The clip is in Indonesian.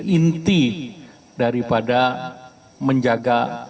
menjadi inti daripada menjaga